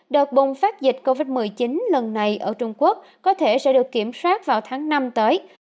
đợt bùng phát dịch covid một mươi chín lần này ở trung quốc có thể sẽ được kiểm soát vào tháng năm tới